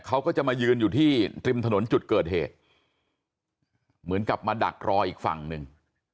เขาก็จะมายืนอยู่ที่ริมถนนจุดเกิดเหตุเหมือนกับมาดักรออีกฝั่งหนึ่ง